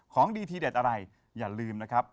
ของดีทีเด็ดอะไรอย่าลืมนะครับ